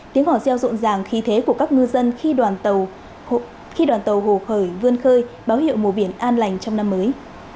tiếng hòa gieo rộn ràng khí thế của các ngư dân khi đoàn tàu hồ khởi vươn khơi báo hiệu mùa biển an lành trong năm mới